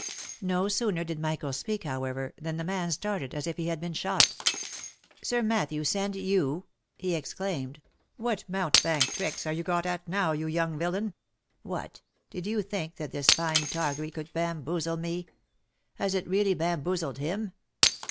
No sooner did Michael speak, however, than the man started, as if he had been shot. " Sir Matthew send you?" he exclaimed, "what mountebank tricks are you got at now, you young villain? What ! did you think that this fine toggery could bamboozle me? Has it really bamboozled him